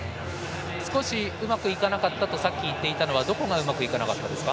少し、うまくいかなかったとさっき、言っていたのはどこがうまくいかなかったですか。